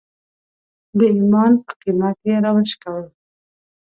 د ایمان په قیمت یې راوشکول.